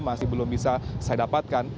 masih belum bisa saya dapatkan